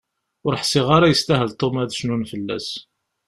Ur ḥsiɣ ara yestahel Tom ad cnun fell-as.